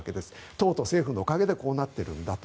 党と政府のおかげでこうなっているんだと。